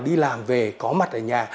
đi làm về có mặt ở nhà